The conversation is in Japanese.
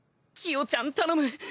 きよちゃん頼む！